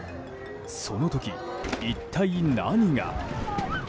その時、一体何が？